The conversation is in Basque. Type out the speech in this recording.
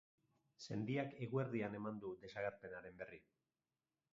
Sendiak eguerdian eman du desagerpenaren berri.